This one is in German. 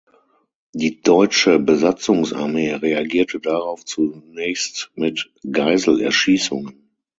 Die deutsche Besatzungsarmee reagierte darauf zunächst mit Geiselerschießungen.